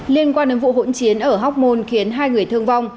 liên quan đến vụ hỗn chiến ở hóc môn khiến hai người thương vong